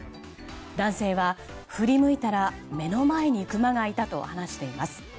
男性は振り向いたら目の前にクマがいたと話しています。